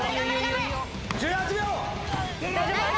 １８秒。